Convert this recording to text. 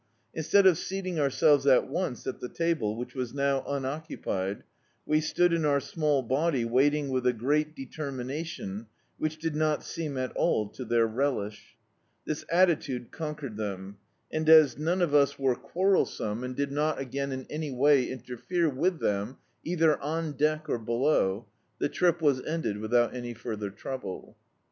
In stead of seating ourselves at once at the table, which was now unoonipied, we stood in our small body waiting with a quiet determination which did not seem at all to their relish. This attitude cmquered them; and, as none of us were quarrel [173I Dictzed by Google The Autobiography of a Super Tramp some, and did not again in any way interfere with them, either on deck or below, the trip was ended without any further trouble.